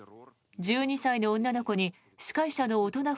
１２歳の女の子に司会者の男